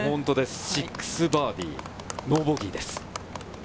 ６バーディー、ノーボギーです。